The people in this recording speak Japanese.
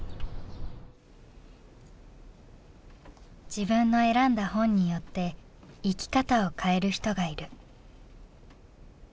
自分の選んだ本によって生き方を変える人がいる。